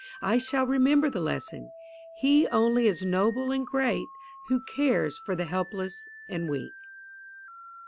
I shall remember the lesson. He only is noble and great who cares for the helpless and weak."